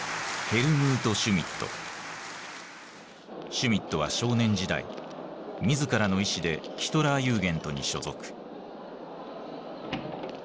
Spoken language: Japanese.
シュミットは少年時代自らの意志でヒトラーユーゲントに所属。